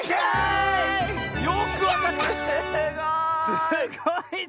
すごい！